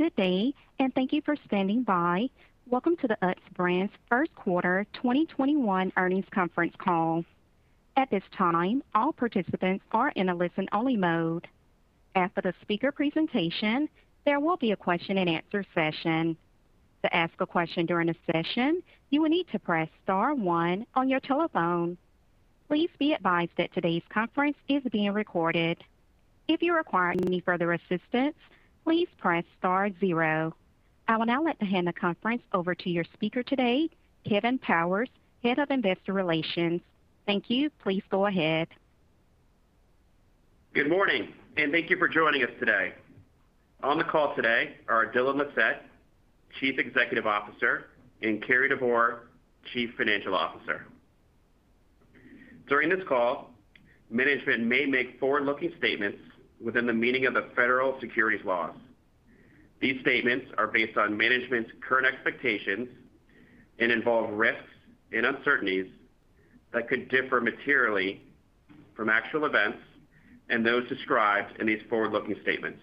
Good day, and thank you for standing by. Welcome to the Utz Brands first quarter 2021 Earnings Conference Call. At this time, all participants are in a listen-only mode. After the speaker presentation, there will be a question and answer session. To ask a question during the session, you will need to press star one on your telephone. Please be advised that today's conference is being recorded. If you require any further assistance, please press star zero. I will now hand the conference over to your speaker today, Kevin Powers, Head of Investor Relations. Thank you. Please go ahead. Good morning, and thank you for joining us today. On the call today are Dylan Lissette, Chief Executive Officer, and Cary Devore, Chief Financial Officer. During this call, management may make forward-looking statements within the meaning of the federal securities laws. These statements are based on management's current expectations and involve risks and uncertainties that could differ materially from actual events and those described in these forward-looking statements.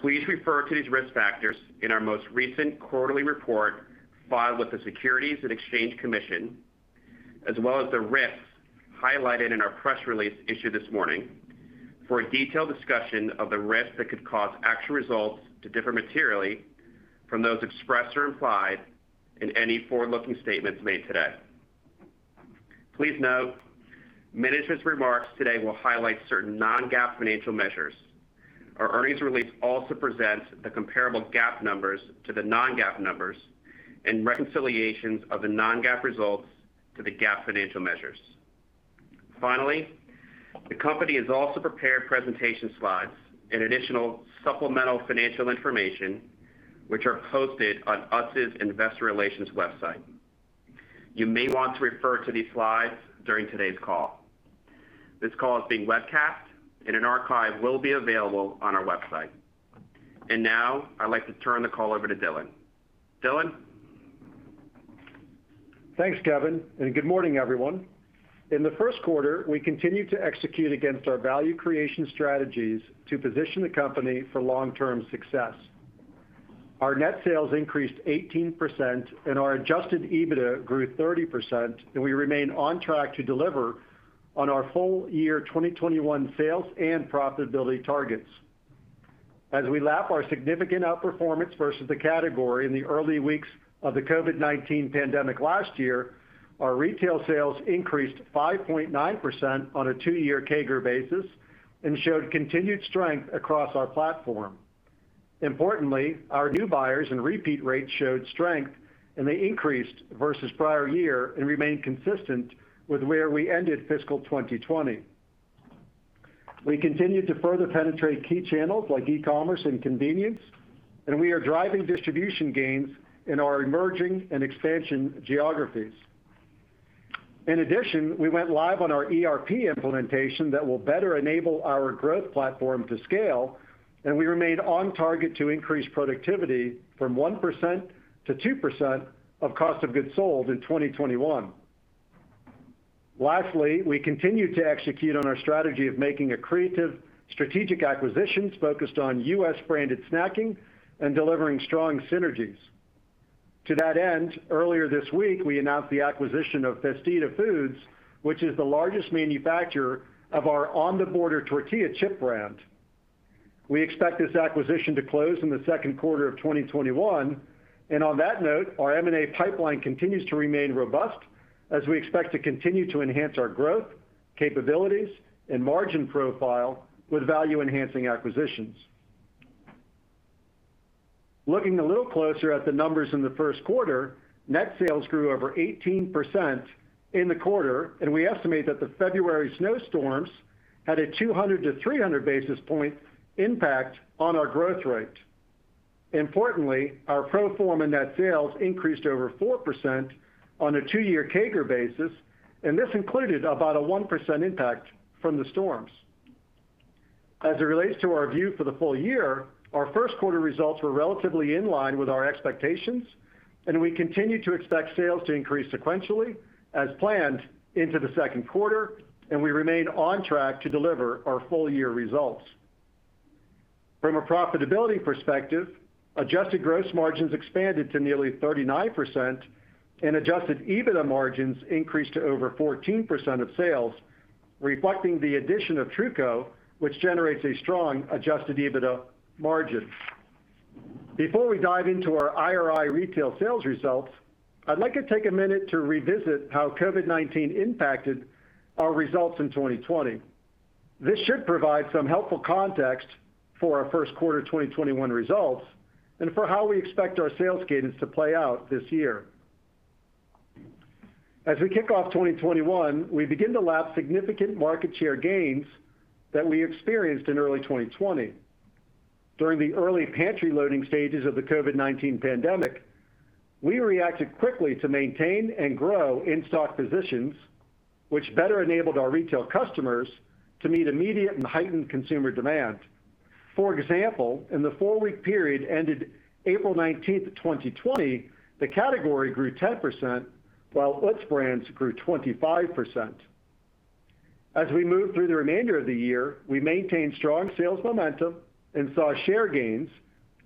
Please refer to these risk factors in our most recent quarterly report filed with the Securities and Exchange Commission, as well as the risks highlighted in our press release issued this morning for a detailed discussion of the risks that could cause actual results to differ materially from those expressed or implied in any forward-looking statements made today. Please note, management's remarks today will highlight certain non-GAAP financial measures. Our earnings release also presents the comparable GAAP numbers to the non-GAAP numbers and reconciliations of the non-GAAP results to the GAAP financial measures. The company has also prepared presentation slides and additional supplemental financial information, which are hosted on Utz's Investor Relations website. You may want to refer to these slides during today's call. This call is being webcast and an archive will be available on our website. Now, I'd like to turn the call over to Dylan. Dylan? Thanks, Kevin. Good morning, everyone. In the first quarter, we continued to execute against our value creation strategies to position the company for long-term success. Our net sales increased 18%, and our adjusted EBITDA grew 30%, and we remain on track to deliver on our full year 2021 sales and profitability targets. As we lap our significant outperformance versus the category in the early weeks of the COVID-19 pandemic last year, our retail sales increased 5.9% on a 2-year CAGR basis and showed continued strength across our platform. Importantly, our new buyers and repeat rates showed strength, and they increased versus prior year and remain consistent with where we ended fiscal 2020. We continued to further penetrate key channels like e-commerce and convenience, and we are driving distribution gains in our emerging and expansion geographies. In addition, we went live on our ERP implementation that will better enable our growth platform to scale, and we remain on target to increase productivity from 1%-2% of cost of goods sold in 2021. Lastly, we continued to execute on our strategy of making accretive strategic acquisitions focused on U.S.-branded snacking and delivering strong synergies. To that end, earlier this week, we announced the acquisition of Festida Foods, which is the largest manufacturer of our On The Border tortilla chip brand. We expect this acquisition to close in the second quarter of 2021, and on that note, our M&A pipeline continues to remain robust as we expect to continue to enhance our growth, capabilities, and margin profile with value-enhancing acquisitions. Looking a little closer at the numbers in the first quarter, net sales grew over 18% in the quarter. We estimate that the February snowstorms had a 200-300 basis point impact on our growth rate. Importantly, our pro forma net sales increased over 4% on a 2-year CAGR basis. This included about a 1% impact from the storms. As it relates to our view for the full year, our first quarter results were relatively in line with our expectations. We continue to expect sales to increase sequentially as planned into the second quarter. We remain on track to deliver our full year results. From a profitability perspective, adjusted gross margins expanded to nearly 39%. Adjusted EBITDA margins increased to over 14% of sales, reflecting the addition of Truco, which generates a strong adjusted EBITDA margin. Before we dive into our IRI retail sales results, I'd like to take a minute to revisit how COVID-19 impacted our results in 2020. This should provide some helpful context for our first quarter 2021 results and for how we expect our sales cadence to play out this year. As we kick off 2021, we begin to lap significant market share gains that we experienced in early 2020. During the early pantry loading stages of the COVID-19 pandemic, we reacted quickly to maintain and grow in-stock positions, which better enabled our retail customers to meet immediate and heightened consumer demand. For example, in the four-week period ended April 19th, 2020, the category grew 10%, while Utz Brands grew 25%. As we moved through the remainder of the year, we maintained strong sales momentum and saw share gains,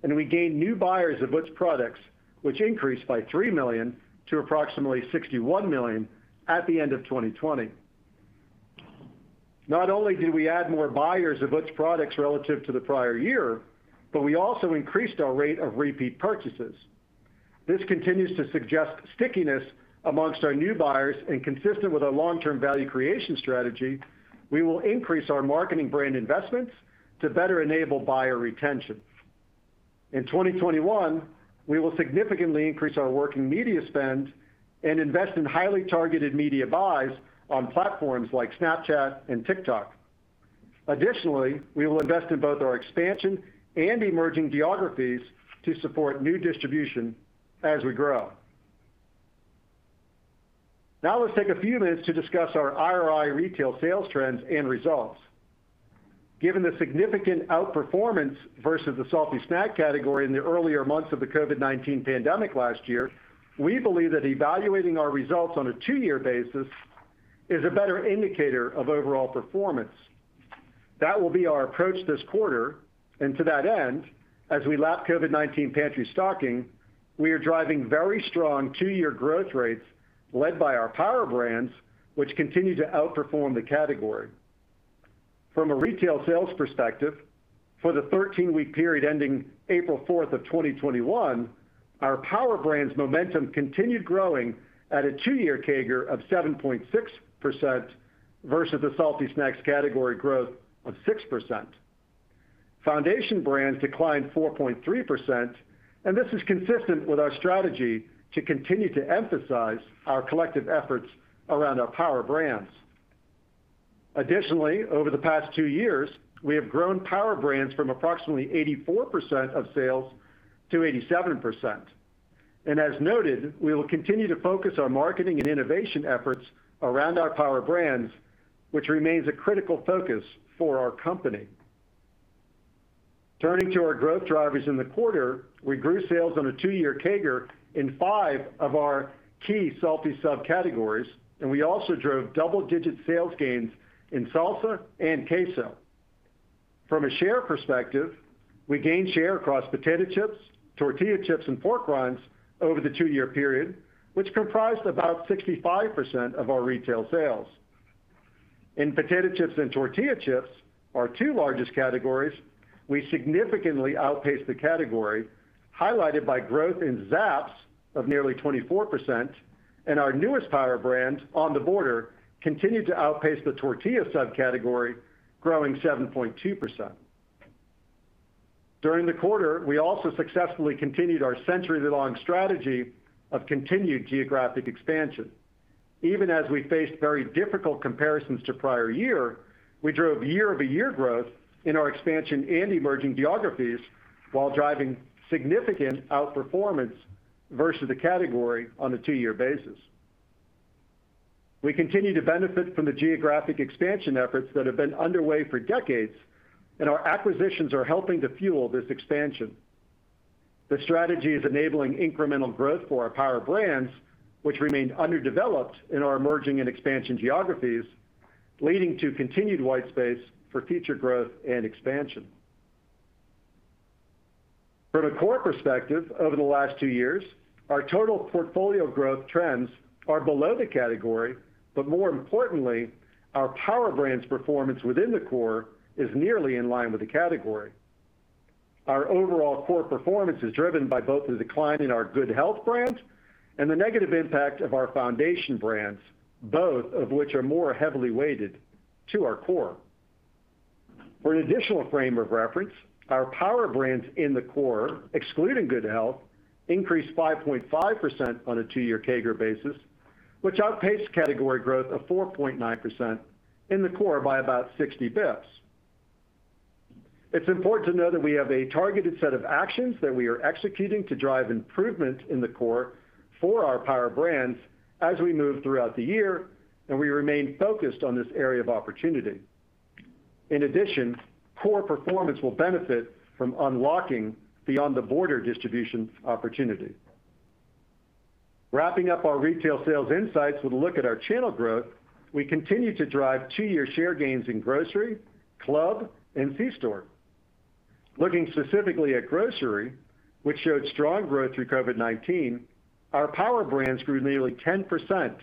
and we gained new buyers of Utz products, which increased by three million to approximately 61 million at the end of 2020. Not only did we add more buyers of Utz products relative to the prior year, but we also increased our rate of repeat purchases. This continues to suggest stickiness amongst our new buyers and consistent with our long-term value creation strategy, we will increase our marketing brand investments to better enable buyer retention. In 2021, we will significantly increase our working media spend and invest in highly targeted media buys on platforms like Snapchat and TikTok. Additionally, we will invest in both our expansion and emerging geographies to support new distribution as we grow. Now let's take a few minutes to discuss our IRI retail sales trends and results. Given the significant outperformance versus the salty snack category in the earlier months of the COVID-19 pandemic last year, we believe that evaluating our results on a 2-year basis is a better indicator of overall performance. That will be our approach this quarter, and to that end, as we lap COVID-19 pantry stocking, we are driving very strong 2-year growth rates led by our power brands, which continue to outperform the category. From a retail sales perspective, for the 13-week period ending April 4th, 2021, our power brands momentum continued growing at a 2-year CAGR of 7.6% versus the salty snacks category growth of 6%. Foundation brands declined 4.3%, and this is consistent with our strategy to continue to emphasize our collective efforts around our power brands. Additionally, over the past two years, we have grown power brands from approximately 84% of sales to 87%. As noted, we will continue to focus our marketing and innovation efforts around our power brands, which remains a critical focus for our company. Turning to our growth drivers in the quarter, we grew sales on a 2-year CAGR in five of our key salty subcategories, and we also drove double-digit sales gains in salsa and queso. From a share perspective, we gained share across potato chips, tortilla chips, and pork rinds over the 2-year period, which comprised about 65% of our retail sales. In potato chips and tortilla chips, our two largest categories, we significantly outpaced the category, highlighted by growth in Zapp's of nearly 24%, and our newest power brand, On The Border, continued to outpace the tortilla subcategory, growing 7.2%. During the quarter, we also successfully continued our centuries-long strategy of continued geographic expansion. Even as we faced very difficult comparisons to prior year, we drove year-over-year growth in our expansion and emerging geographies while driving significant outperformance versus the category on a 2-year basis. We continue to benefit from the geographic expansion efforts that have been underway for decades, and our acquisitions are helping to fuel this expansion. The strategy is enabling incremental growth for our power brands, which remain underdeveloped in our emerging and expansion geographies, leading to continued white space for future growth and expansion. From a core perspective, over the last two years, our total portfolio growth trends are below the category, but more importantly, our power brands performance within the core is nearly in line with the category. Our overall core performance is driven by both the decline in our Good Health brands and the negative impact of our foundation brands, both of which are more heavily weighted to our core. For an additional frame of reference, our power brands in the core, excluding Good Health, increased 5.5% on a 2-year CAGR basis, which outpaced category growth of 4.9% in the core by about 60 basis points. It's important to know that we have a targeted set of actions that we are executing to drive improvement in the core for our power brands as we move throughout the year, and we remain focused on this area of opportunity. In addition, core performance will benefit from unlocking On The Border distribution opportunity. Wrapping up our retail sales insights with a look at our channel growth, we continue to drive 2-year share gains in grocery, club, and C-store. Looking specifically at grocery, which showed strong growth through COVID-19, our power brands grew nearly 10%,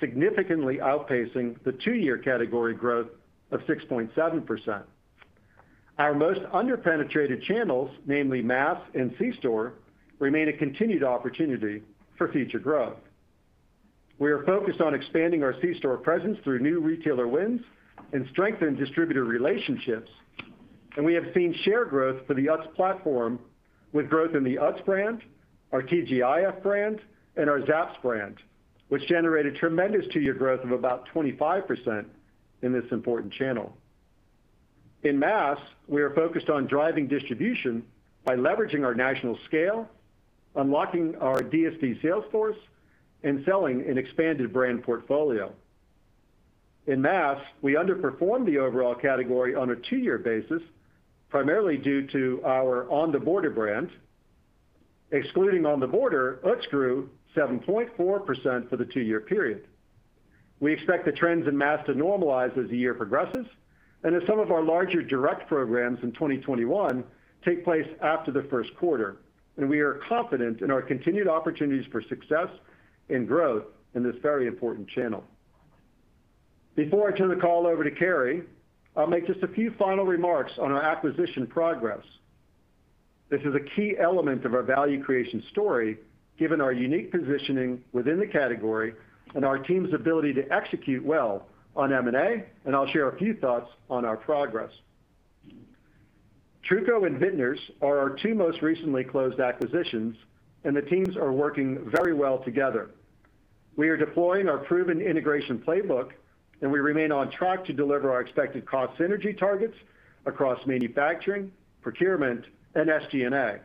significantly outpacing the 2-year category growth of 6.7%. Our most under-penetrated channels, namely mass and C-store, remain a continued opportunity for future growth. We are focused on expanding our C-store presence through new retailer wins and strengthened distributor relationships, and we have seen share growth for the Utz platform with growth in the Utz brand, our TGI Fridays brand, and our Zapp's brand, which generated tremendous 2-year growth of about 25% in this important channel. In mass, we are focused on driving distribution by leveraging our national scale, unlocking our DSD sales force, and selling an expanded brand portfolio. In mass, we underperformed the overall category on a 2-year basis, primarily due to our On The Border brand. Excluding On The Border, Utz grew 7.4% for the 2-year period. We expect the trends in mass to normalize as the year progresses and as some of our larger direct programs in 2021 take place after the first quarter, and we are confident in our continued opportunities for success and growth in this very important channel. Before I turn the call over to Cary, I'll make just a few final remarks on our acquisition progress. This is a key element of our value creation story, given our unique positioning within the category and our team's ability to execute well on M&A, and I'll share a few thoughts on our progress. Truco and Vitner's are our two most recently closed acquisitions, and the teams are working very well together. We are deploying our proven integration playbook, and we remain on track to deliver our expected cost synergy targets across manufacturing, procurement, and SG&A.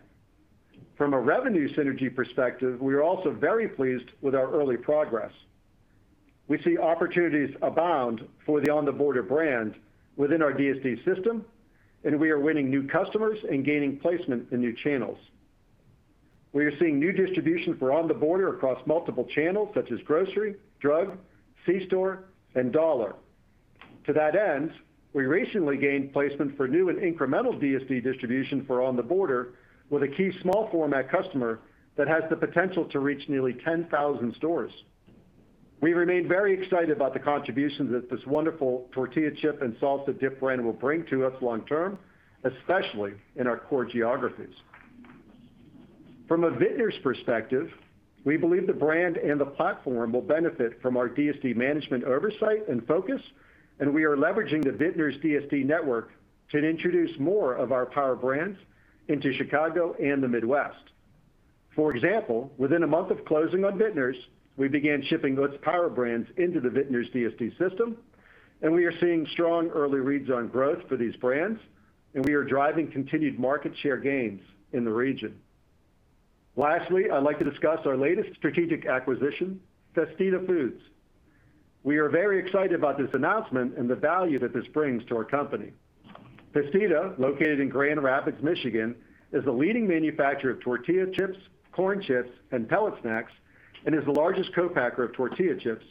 From a revenue synergy perspective, we are also very pleased with our early progress. We see opportunities abound for the On The Border brand within our DSD system, and we are winning new customers and gaining placement in new channels. We are seeing new distribution for On The Border across multiple channels, such as grocery, drug, C-store, and dollar. To that end, we recently gained placement for new and incremental DSD distribution for On The Border with a key small format customer that has the potential to reach nearly 10,000 stores. We remain very excited about the contributions that this wonderful tortilla chip and salsa dip brand will bring to us long term, especially in our core geographies. From a Vitner's perspective, we believe the brand and the platform will benefit from our DSD management oversight and focus, and we are leveraging the Vitner's DSD network to introduce more of our power brands into Chicago and the Midwest. For example, within a month of closing on Vitner's, we began shipping Utz power brands into the Vitner's DSD system, and we are seeing strong early reads on growth for these brands, and we are driving continued market share gains in the region. Lastly, I'd like to discuss our latest strategic acquisition, Festida Foods. We are very excited about this announcement and the value that this brings to our company. Festida, located in Grand Rapids, Michigan, is the leading manufacturer of tortilla chips, corn chips and pellet snacks, and is the largest co-packer of tortilla chips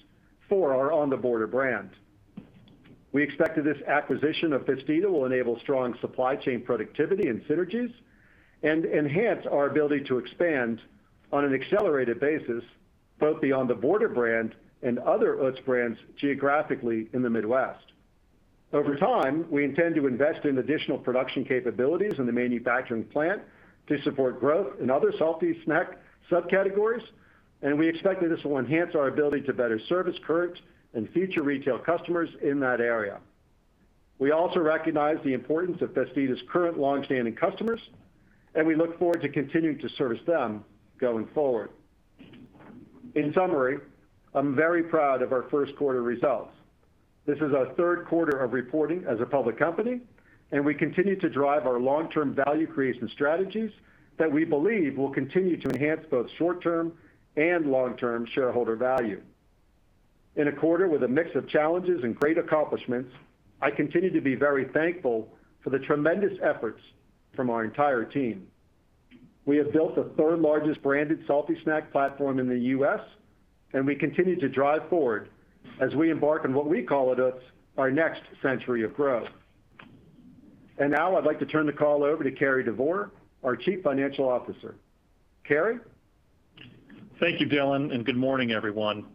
for our On The Border brand. We expect that this acquisition of Festida will enable strong supply chain productivity and synergies and enhance our ability to expand on an accelerated basis, both the On The Border brand and other Utz brands geographically in the Midwest. Over time, we intend to invest in additional production capabilities in the manufacturing plant to support growth in other salty snack subcategories, and we expect that this will enhance our ability to better service current and future retail customers in that area. We also recognize the importance of Festida's current long-standing customers, and we look forward to continuing to service them going forward. In summary, I'm very proud of our first quarter results. This is our third quarter of reporting as a public company, and we continue to drive our long-term value creation strategies that we believe will continue to enhance both short-term and long-term shareholder value. In a quarter with a mix of challenges and great accomplishments, I continue to be very thankful for the tremendous efforts from our entire team. We have built the third largest branded salty snack platform in the U.S., and we continue to drive forward as we embark on what we call at Utz, our next century of growth. Now I'd like to turn the call over to Cary Devore, our Chief Financial Officer. Cary? Thank you, Dylan, good morning, everyone.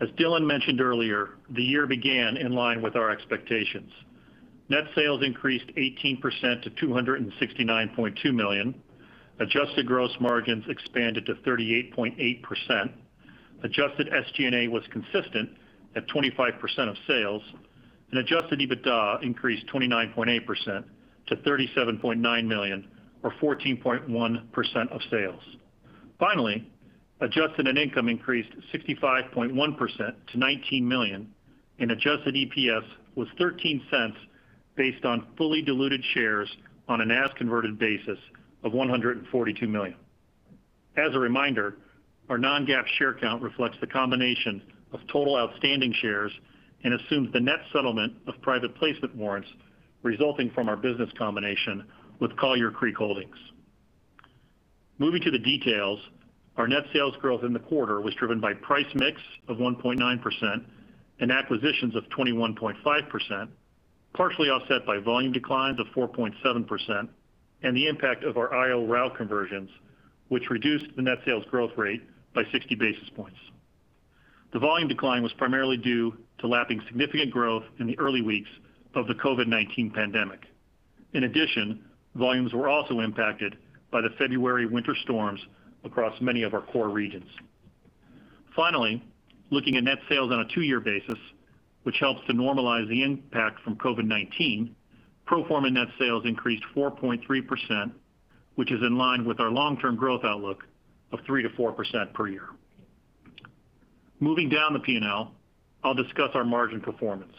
As Dylan mentioned earlier, the year began in line with our expectations. Net sales increased 18% to $269.2 million. Adjusted gross margins expanded to 38.8%. Adjusted SG&A was consistent at 25% of sales, and adjusted EBITDA increased 29.8% to $37.9 million or 14.1% of sales. Finally, adjusted net income increased 65.1% to $19 million, and adjusted EPS was $0.13 based on fully diluted shares on an as converted basis of 142 million. As a reminder, our non-GAAP share count reflects the combination of total outstanding shares and assumes the net settlement of private placement warrants resulting from our business combination with Collier Creek Holdings. Moving to the details, our net sales growth in the quarter was driven by price mix of 1.9% and acquisitions of 21.5%, partially offset by volume declines of 4.7% and the impact of our IO route conversions, which reduced the net sales growth rate by 60 basis points. The volume decline was primarily due to lapping significant growth in the early weeks of the COVID-19 pandemic. In addition, volumes were also impacted by the February winter storms across many of our core regions. Finally, looking at net sales on a 2-year basis, which helps to normalize the impact from COVID-19, pro forma net sales increased 4.3%, which is in line with our long-term growth outlook of 3%-4% per year. Moving down the P&L, I'll discuss our margin performance.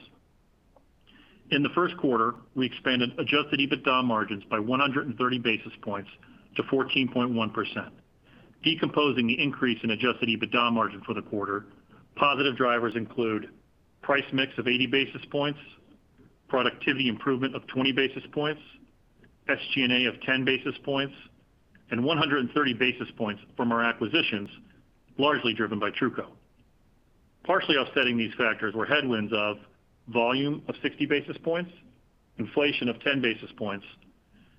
In the first quarter, we expanded adjusted EBITDA margins by 130 basis points to 14.1%. Decomposing the increase in adjusted EBITDA margin for the quarter, positive drivers include price mix of 80 basis points, productivity improvement of 20 basis points, SG&A of 10 basis points, and 130 basis points from our acquisitions, largely driven by Truco. Partially offsetting these factors were headwinds of volume of 60 basis points, inflation of 10 basis points,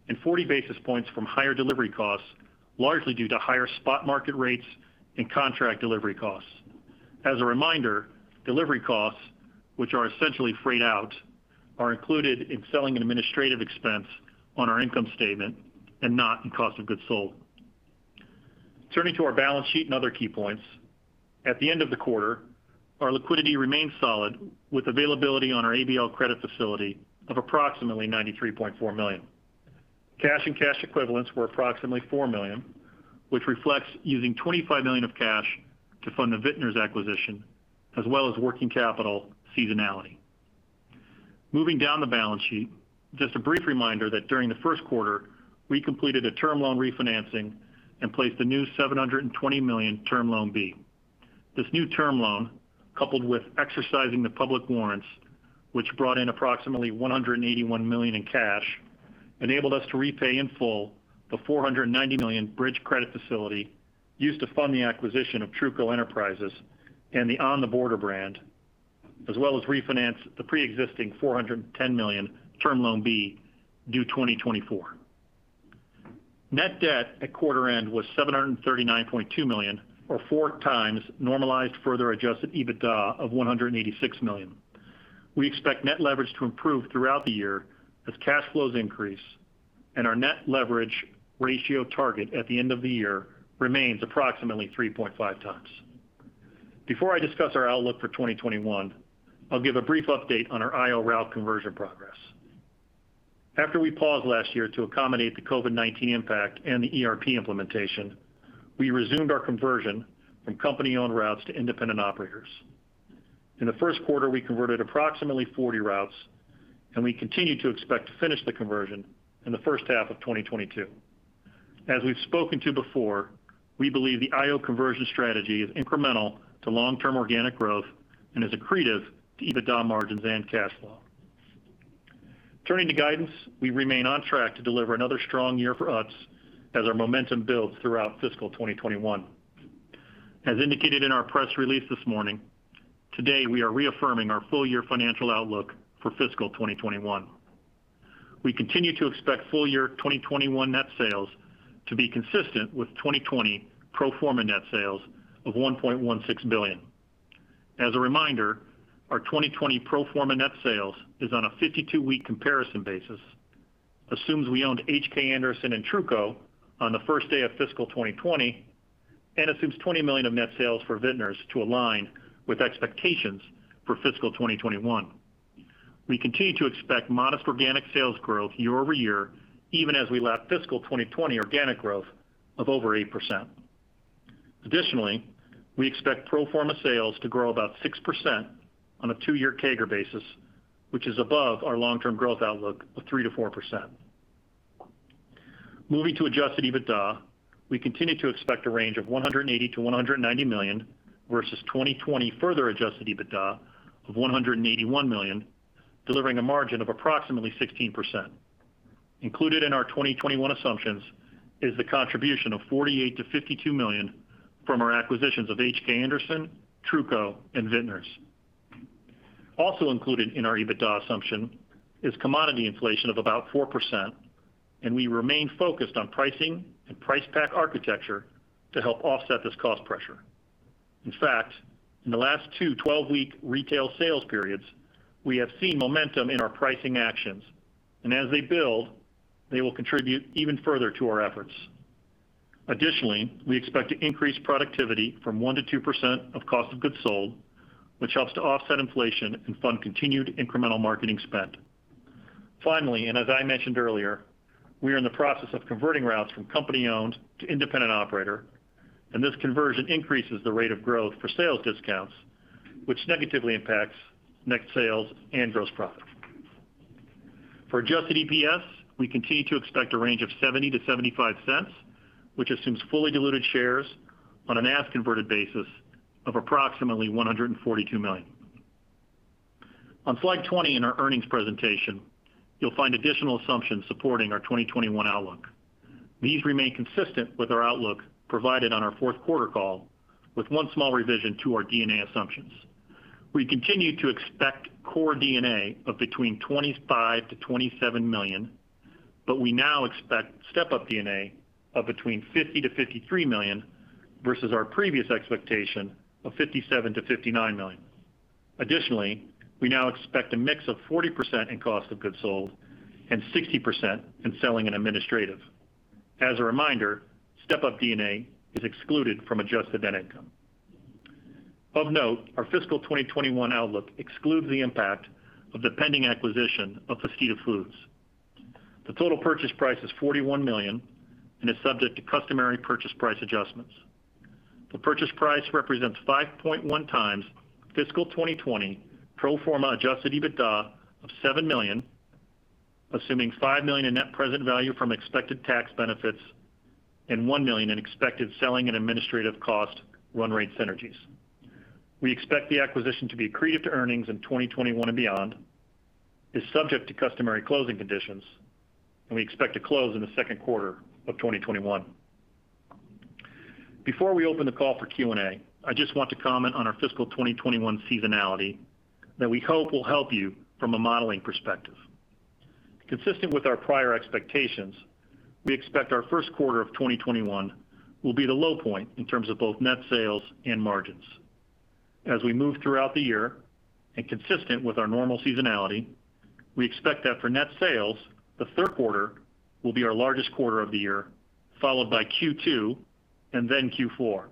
and 40 basis points from higher delivery costs, largely due to higher spot market rates and contract delivery costs. As a reminder, delivery costs, which are essentially freight out, are included in selling and administrative expense on our income statement and not in cost of goods sold. Turning to our balance sheet and other key points. At the end of the quarter, our liquidity remained solid with availability on our ABL credit facility of approximately $93.4 million. Cash and cash equivalents were approximately $4 million, which reflects using $25 million of cash to fund the Vitner's acquisition, as well as working capital seasonality. Moving down the balance sheet, just a brief reminder that during the first quarter, we completed a Term Loan refinancing and placed a new $720 million Term Loan B. This new Term Loan, coupled with exercising the public warrants, which brought in approximately $181 million in cash, enabled us to repay in full the $490 million bridge credit facility used to fund the acquisition of Truco Enterprises and the On The Border brand, as well as refinance the preexisting $410 million Term Loan B due 2024. Net debt at quarter end was $739.2 million or 4x normalized, further adjusted EBITDA of $186 million. We expect net leverage to improve throughout the year as cash flows increase and our net leverage ratio target at the end of the year remains approximately 3.5x. Before I discuss our outlook for 2021, I'll give a brief update on our IO route conversion progress. After we paused last year to accommodate the COVID-19 impact and the ERP implementation, we resumed our conversion from company-owned routes to Independent Operators. In the first quarter, we converted approximately 40 routes, and we continue to expect to finish the conversion in the first half of 2022. As we've spoken to before, we believe the IO conversion strategy is incremental to long-term organic growth and is accretive to EBITDA margins and cash flow. Turning to guidance, we remain on track to deliver another strong year for Utz as our momentum builds throughout fiscal 2021. As indicated in our press release this morning, today, we are reaffirming our full-year financial outlook for fiscal 2021. We continue to expect full-year 2021 net sales to be consistent with 2020 pro forma net sales of $1.16 billion. As a reminder, our 2020 pro forma net sales is on a 52-week comparison basis, assumes we owned H.K. Anderson and Truco on the first day of fiscal 2020, and assumes $20 million of net sales for Vitner's to align with expectations for fiscal 2021. We continue to expect modest organic sales growth year-over-year, even as we lap fiscal 2020 organic growth of over 8%. Additionally, we expect pro forma sales to grow about 6% on a 2-year CAGR basis, which is above our long-term growth outlook of 3%-4%. Moving to adjusted EBITDA, we continue to expect a range of $180 million-$190 million versus 2020 further adjusted EBITDA of $181 million, delivering a margin of approximately 16%. Included in our 2021 assumptions is the contribution of $48 million-$52 million from our acquisitions of H.K. Anderson, Truco, and Vitner's. Also included in our EBITDA assumption is commodity inflation of about 4%, we remain focused on pricing and price pack architecture to help offset this cost pressure. In fact, in the last two 12-week retail sales periods, we have seen momentum in our pricing actions, as they build, they will contribute even further to our efforts. Additionally, we expect to increase productivity from 1%-2% of cost of goods sold, which helps to offset inflation and fund continued incremental marketing spend. Finally, as I mentioned earlier, we are in the process of converting routes from company-owned to Independent Operator, and this conversion increases the rate of growth for sales discounts, which negatively impacts net sales and gross profit. For adjusted EPS, we continue to expect a range of $0.70-$0.75, which assumes fully diluted shares on an as-converted basis of approximately 142 million. On slide 20 in our earnings presentation, you'll find additional assumptions supporting our 2021 outlook. These remain consistent with our outlook provided on our fourth quarter call with one small revision to our D&A assumptions. We continue to expect core D&A of between $25 million-$27 million, but we now expect step-up D&A of between $50 million-$53 million versus our previous expectation of $57 million-$59 million. Additionally, we now expect a mix of 40% in cost of goods sold and 60% in selling and administrative. As a reminder, step-up D&A is excluded from adjusted net income. Of note, our fiscal 2021 outlook excludes the impact of the pending acquisition of Festida Foods. The total purchase price is $41 million and is subject to customary purchase price adjustments. The purchase price represents 5.1x fiscal 2020 pro forma adjusted EBITDA of $7 million, assuming $5 million in net present value from expected tax benefits and $1 million in expected selling and administrative cost run rate synergies. We expect the acquisition to be accretive to earnings in 2021 and beyond, is subject to customary closing conditions, and we expect to close in the second quarter of 2021. Before we open the call for Q&A, I just want to comment on our fiscal 2021 seasonality that we hope will help you from a modeling perspective. Consistent with our prior expectations, we expect our first quarter of 2021 will be the low point in terms of both net sales and margins. As we move throughout the year, and consistent with our normal seasonality, we expect that for net sales, the third quarter will be our largest quarter of the year, followed by Q2 and then Q4.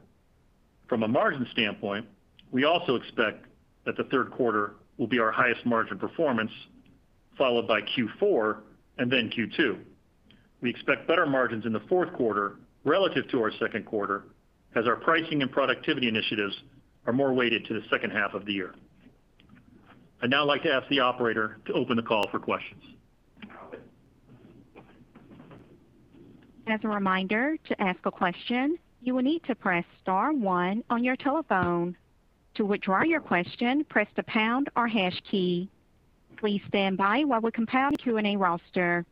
From a margin standpoint, we also expect that the third quarter will be our highest margin performance, followed by Q4 and then Q2. We expect better margins in the fourth quarter relative to our second quarter, as our pricing and productivity initiatives are more weighted to the second half of the year. I'd now like to ask the operator to open the call for questions. As a reminder, to ask a question, you will need to press star one on your telephone. To withdraw your question, press the pound or hash key. Please stand by while we compile the Q&A roster.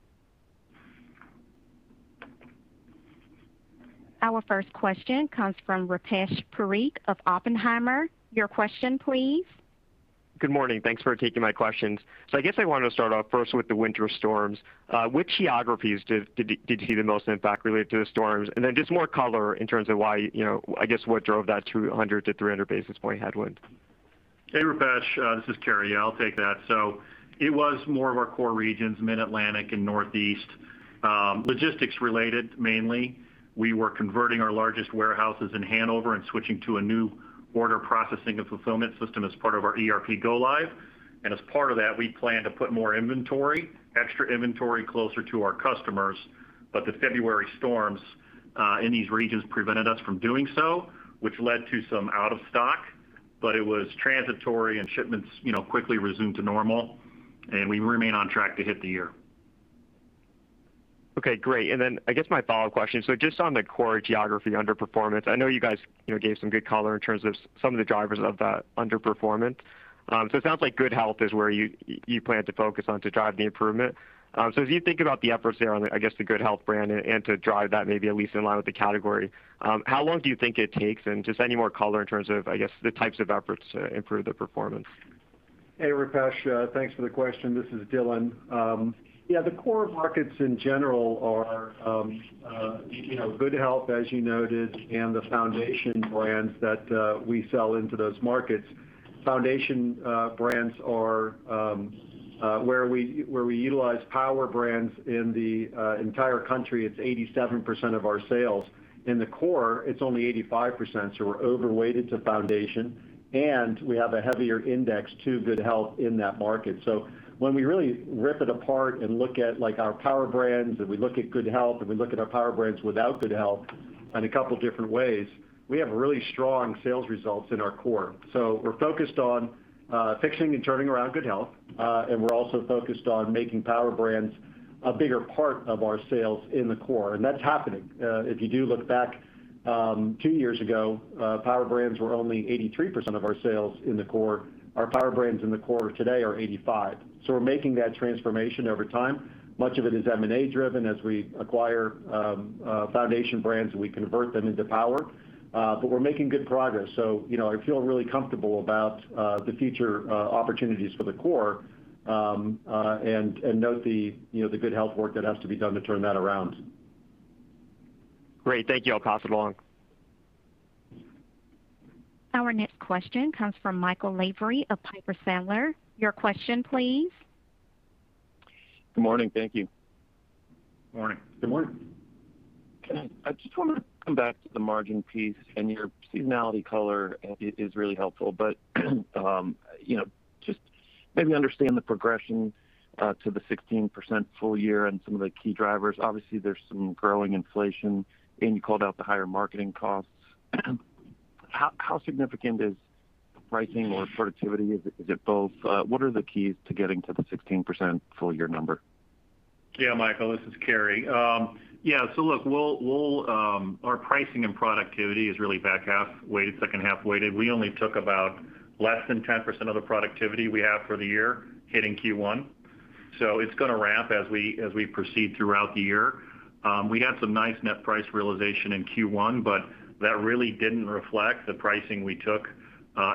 Our first question comes from Rupesh Parikh of Oppenheimer. Your question please. Good morning. Thanks for taking my questions. I guess I wanted to start off first with the winter storms. Which geographies did you see the most impact related to the storms? Then just more color in terms of why, I guess what drove that 200-300 basis point headwind? Hey, Rupesh. This is Cary. I'll take that. It was more of our core regions, Mid-Atlantic and Northeast, logistics related, mainly. We were converting our largest warehouses in Hanover and switching to a new order processing and fulfillment system as part of our ERP go live. As part of that, we plan to put more inventory, extra inventory closer to our customers. The February storms in these regions prevented us from doing so, which led to some out of stock, but it was transitory and shipments quickly resumed to normal, and we remain on track to hit the year. Okay, great. I guess my follow-up question, just on the core geography underperformance, I know you guys gave some good color in terms of some of the drivers of that underperformance. It sounds like Good Health is where you plan to focus on to drive the improvement. As you think about the efforts there on, I guess, the Good Health brand and to drive that maybe at least in line with the category, how long do you think it takes and just any more color in terms of, I guess, the types of efforts to improve the performance? Hey, Rupesh. Thanks for the question. This is Dylan. Yeah, the core markets in general are Good Health, as you noted, and the foundation brands that we sell into those markets. Foundation brands are where we utilize power brands in the entire country. It's 87% of our sales. In the core, it's only 85%, so we're over-weighted to foundation, and we have a heavier index to Good Health in that market. When we really rip it apart and look at our power brands, and we look at Good Health, and we look at our power brands without Good Health in a couple different ways, we have really strong sales results in our core. We're focused on fixing and turning around Good Health, and we're also focused on making power brands a bigger part of our sales in the core. That's happening. If you do look back two years ago, power brands were only 83% of our sales in the core. Our power brands in the core today are 85%. We're making that transformation over time. Much of it is M&A driven. As we acquire foundation brands, we convert them into power. We're making good progress. I feel really comfortable about the future opportunities for the core, and note the Good Health work that has to be done to turn that around. Great. Thank you. I'll pass it along. Our next question comes from Michael Lavery of Piper Sandler. Your question, please. Good morning. Thank you. Morning. Good morning. I just wanted to come back to the margin piece and your seasonality color is really helpful, but just maybe understand the progression to the 16% full year and some of the key drivers. Obviously, there's some growing inflation, and you called out the higher marketing costs. How significant is pricing or productivity? Is it both? What are the keys to getting to the 16% full year number? Michael, this is Cary. Look, our pricing and productivity is really back half weighted, second half weighted. We only took about less than 10% of the productivity we have for the year hitting Q1. It's going to ramp as we proceed throughout the year. We had some nice net price realization in Q1, but that really didn't reflect the pricing we took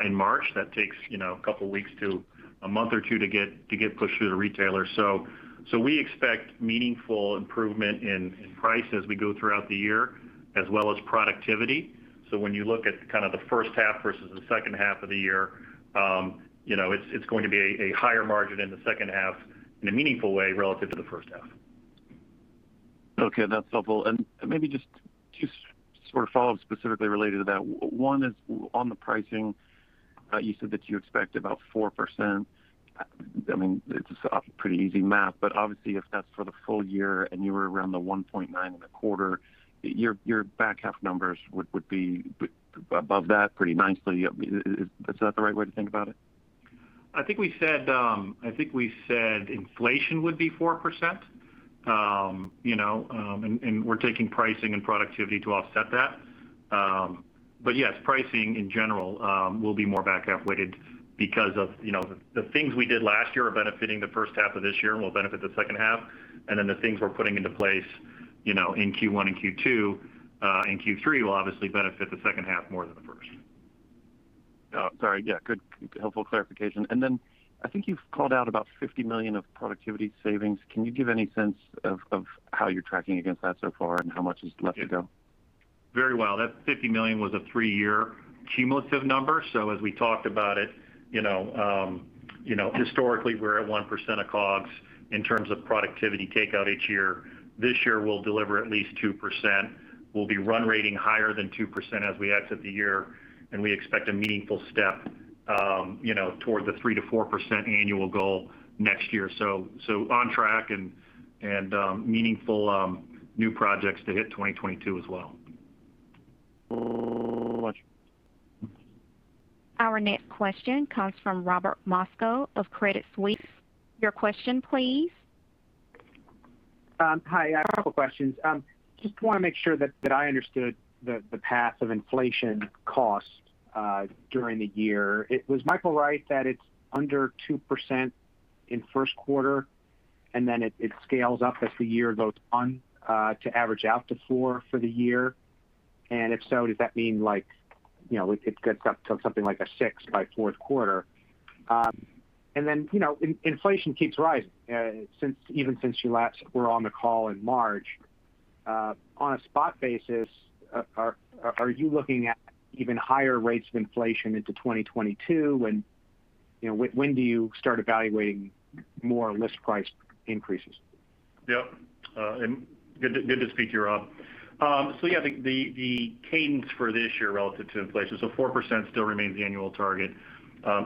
in March. That takes a couple of weeks to a month or two to get pushed through to retailers. We expect meaningful improvement in price as we go throughout the year, as well as productivity. When you look at the first half versus the second half of the year, it's going to be a higher margin in the second half in a meaningful way relative to the first half. Okay, that's helpful. Maybe just two sort of follow-ups specifically related to that. One is on the pricing. You said that you expect about 4%? It's pretty easy math, but obviously, if that's for the full year and you were around the 1.9% in the quarter, your back half numbers would be above that pretty nicely. Is that the right way to think about it? I think we said inflation would be 4%, and we're taking pricing and productivity to offset that. Yes, pricing in general will be more back half weighted because of the things we did last year are benefiting the first half of this year and will benefit the second half, and then the things we're putting into place in Q1 and Q2 and Q3 will obviously benefit the second half more than the first. Oh, sorry. Yeah. Good. Helpful clarification. I think you've called out about $50 million of productivity savings. Can you give any sense of how you're tracking against that so far and how much is left to go? Very well. That $50 million was a three-year cumulative number, as we talked about it, historically, we're at 1% of COGS in terms of productivity takeout each year. This year, we'll deliver at least 2%. We'll be run rating higher than 2% as we exit the year, and we expect a meaningful step toward the 3%-4% annual goal next year. On track and meaningful new projects to hit 2022 as well. Got you. Our next question comes from Robert Moskow of Credit Suisse. Your question, please. Hi. I have a couple of questions. Just want to make sure that I understood the path of inflation cost during the year. Was Michael right that it's under 2% in first quarter, and then it scales up as the year goes on to average out to four for the year? If so, does that mean it gets up to something like a 6% by fourth quarter? Then, inflation keeps rising, even since you last were on the call in March. On a spot basis, are you looking at even higher rates of inflation into 2022? When do you start evaluating more list price increases? Yep. And good to speak to you, Robert. Yeah, I think the cadence for this year relative to inflation, 4% still remains the annual target.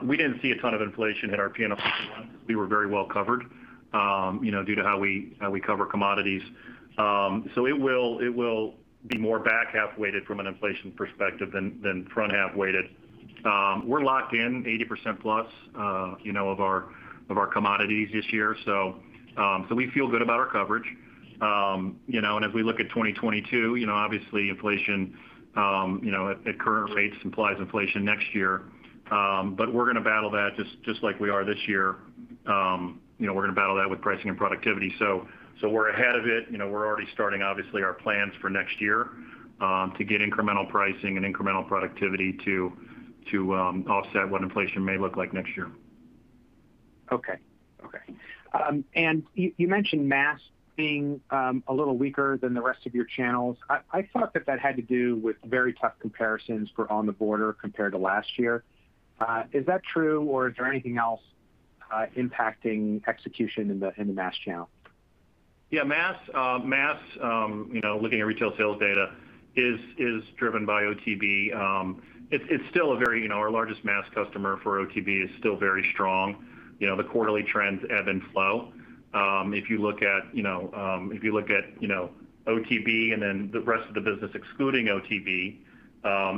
We didn't see a ton of inflation hit our P&L in Q1. We were very well covered due to how we cover commodities. It will be more back half weighted from an inflation perspective than front half weighted. We're locked in 80% plus of our commodities this year. We feel good about our coverage. As we look at 2022, obviously, inflation at current rates implies inflation next year. We're going to battle that just like we are this year. We're going to battle that with pricing and productivity. We're ahead of it. We're already starting, obviously, our plans for next year to get incremental pricing and incremental productivity to offset what inflation may look like next year. Okay. You mentioned mass being a little weaker than the rest of your channels. I thought that that had to do with very tough comparisons for On The Border compared to last year. Is that true, or is there anything else impacting execution in the mass channel? Yeah, mass looking at retail sales data, is driven by OTB. Our largest mass customer for OTB is still very strong. The quarterly trends ebb and flow. If you look at OTB and then the rest of the business excluding OTB,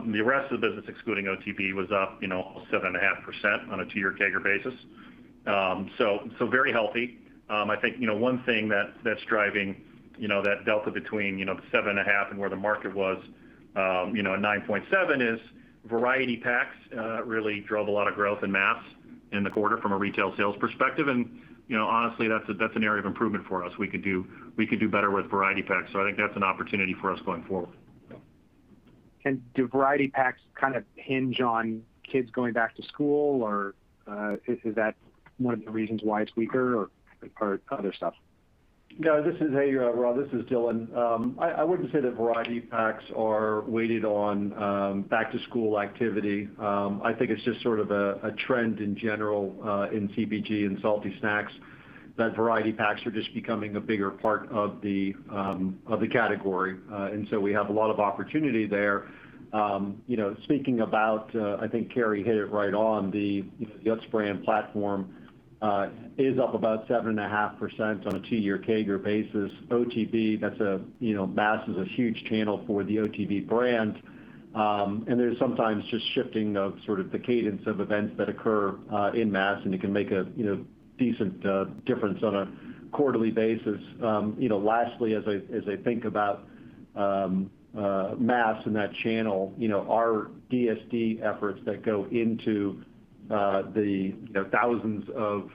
the rest of the business excluding OTB was up 7.5% on a 2-year CAGR basis. Very healthy. I think one thing that's driving that delta between the 7.5% and where the market was, at 9.7% is variety packs really drove a lot of growth in mass in the quarter from a retail sales perspective, and honestly, that's an area of improvement for us. We could do better with variety packs. I think that's an opportunity for us going forward. Do variety packs kind of hinge on kids going back to school, or is that one of the reasons why it's weaker or other stuff? Hey, Robert, this is Dylan. I wouldn't say that variety packs are weighted on back-to-school activity. I think it's just sort of a trend in general in CPG and salty snacks that variety packs are just becoming a bigger part of the category. We have a lot of opportunity there. Speaking about, I think Cary hit it right on the Utz brand platform is up about 7.5% on a 2-year CAGR basis. OTB, mass is a huge channel for the OTB brand. There's sometimes just shifting of sort of the cadence of events that occur in mass, and it can make a decent difference on a quarterly basis. Lastly, as I think about mass and that channel, our DSD efforts that go into the thousands of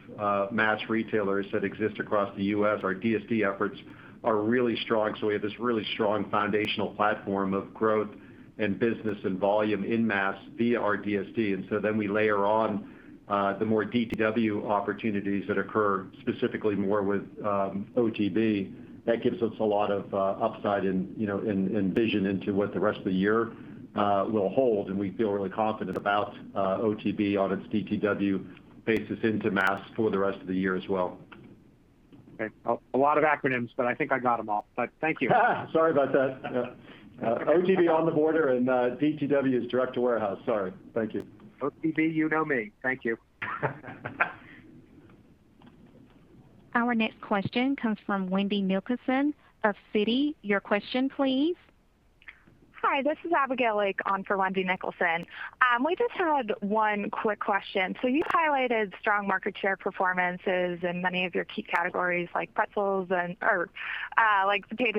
mass retailers that exist across the U.S., our DSD efforts are really strong. We have this really strong foundational platform of growth and business and volume in mass via our DSD. We layer on the more DTW opportunities that occur specifically more with OTB. That gives us a lot of upside and vision into what the rest of the year will hold, and we feel really confident about OTB on its DTW basis into mass for the rest of the year as well. Okay. A lot of acronyms, but I think I got them all. Thank you. Sorry about that. OTB, On The Border, and DTW is direct to warehouse. Sorry. Thank you. OTB, you know me. Thank you. Our next question comes from Wendy Nicholson of Citi. Your question, please. Hi, this is Abigail Lake on for Wendy Nicholson. We just had one quick question. You highlighted strong market share performances in many of your key categories like potato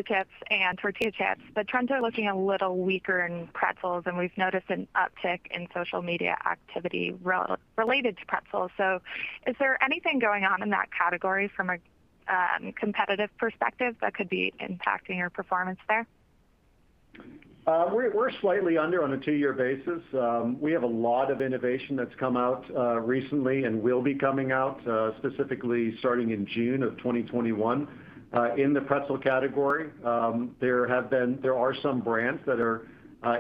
chips and tortilla chips. Trends are looking a little weaker in pretzels, and we've noticed an uptick in social media activity related to pretzels. Is there anything going on in that category from a competitive perspective that could be impacting your performance there? We're slightly under on a 2-year basis. We have a lot of innovation that's come out recently and will be coming out, specifically starting in June of 2021. In the pretzel category, there are some brands that are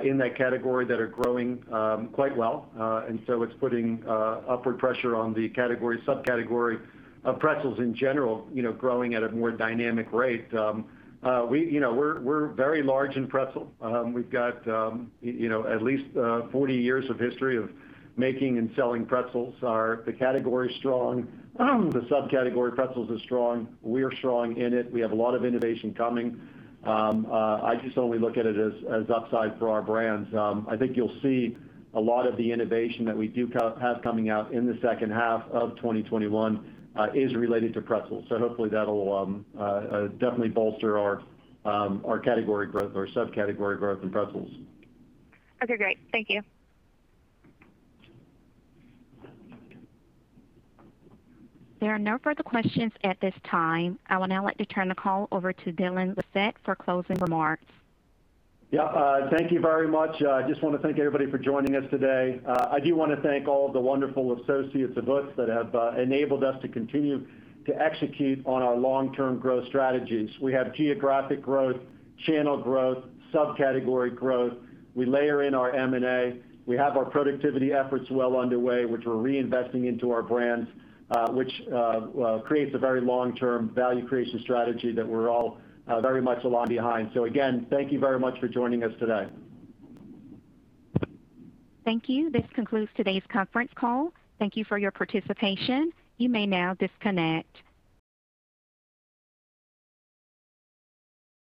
in that category that are growing quite well. It's putting upward pressure on the subcategory of pretzels in general, growing at a more dynamic rate. We're very large in pretzel. We've got at least 40 years of history of making and selling pretzels. The category's strong. The subcategory pretzels is strong. We are strong in it. We have a lot of innovation coming. I just only look at it as upside for our brands. I think you'll see a lot of the innovation that we do have coming out in the second half of 2021 is related to pretzels. Hopefully that'll definitely bolster our subcategory growth in pretzels. Okay, great. Thank you. There are no further questions at this time. I would now like to turn the call over to Dylan Lissette for closing remarks. Thank you very much. I just want to thank everybody for joining us today. I do want to thank all of the wonderful associates of Utz that have enabled us to continue to execute on our long-term growth strategies. We have geographic growth, channel growth, subcategory growth. We layer in our M&A. We have our productivity efforts well underway, which we're reinvesting into our brands, which creates a very long-term value creation strategy that we're all very much aligned behind. Again, thank you very much for joining us today. Thank you. This concludes today's conference call. Thank you for your participation. You may now disconnect.